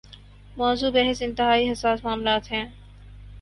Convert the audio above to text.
موضوع بحث انتہائی حساس معاملات ہیں۔